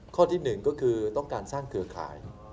ข้อที่๑ก็คือต้องการสร้างเครือข่าย